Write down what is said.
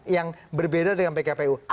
yang berbeda dengan pkpu